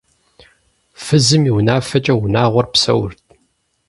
Фызым и унафэкӏэ унагъуэр псэурт.